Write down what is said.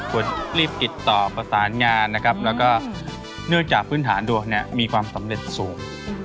ควรรีบติดต่อประสานงานนะครับแล้วก็เนื่องจากพื้นฐานดวงเนี่ยมีความสำเร็จสูง